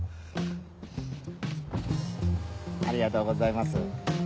ありがとうございます。